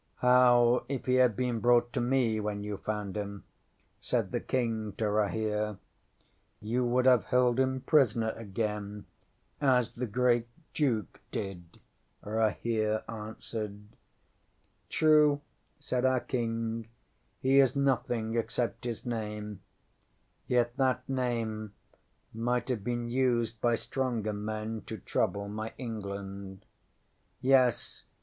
ŌĆśŌĆ£How if he had been brought to me when you found him? ŌĆØ said the King to Rahere. ŌĆśŌĆ£You would have held him prisoner again as the Great Duke did, ŌĆØ Rahere answered. ŌĆśŌĆ£True, ŌĆØ said our King. ŌĆ£He is nothing except his name. Yet that name might have been used by stronger men to trouble my England. Yes.